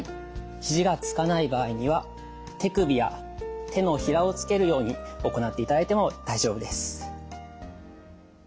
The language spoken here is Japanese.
肘がつかない場合には手首や手のひらをつけるように行っていただいても大丈夫です。